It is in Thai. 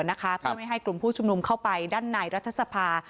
เพื่อไม่ให้กลุ่มผู้ชุมนุมเข้าไปด้านในรัฐสภา